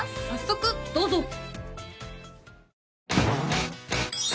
早速どうぞ！